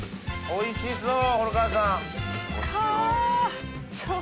おいしそう！